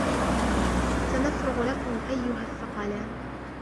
سنفرغ لكم أيه الثقلان